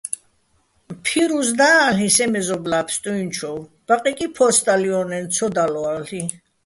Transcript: ფირუზ და-ალ'იჼ სე მეზობლა́ ბსტუ́ჲნჩოვ, ბაყეკი ფო́სტალიო́ნეჼ ცო დალო̆-ა́ლ'იჼ.